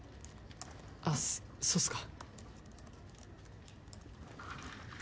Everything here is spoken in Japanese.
あっそうっすか。